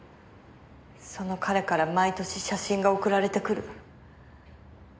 その彼から毎年写真が送られてくる。